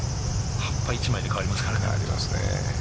葉っぱ一枚で変わりますからね。